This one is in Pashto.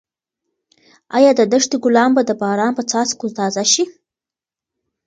ایا د دښتې ګلان به د باران په څاڅکو تازه شي؟